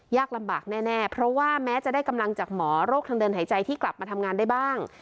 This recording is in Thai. ลำบากแน่เพราะว่าแม้จะได้กำลังจากหมอโรคทางเดินหายใจที่กลับมาทำงานได้บ้าง